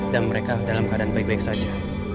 dan mereka dalam keadaan baik baik saja